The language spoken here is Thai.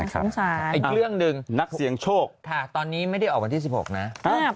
สงสารอีกเรื่องหนึ่งตอนนี้ไม่ได้ออกวันที่๑๖นะออกวันที่๑๗